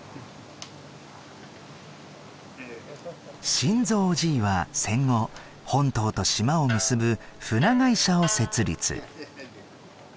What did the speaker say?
新三オジィは戦後本島と島を結ぶ船会社を設立。